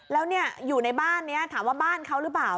แล้วอยู่ในบ้านนี้ถามว่าบ้านเขาหรือเปล่า